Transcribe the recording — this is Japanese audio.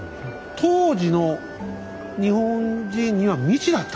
当時の日本人には未知だった。